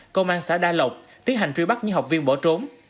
công an xã đa lộc tiến hành truy bắt những học viên bỏ trốn